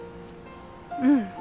うん。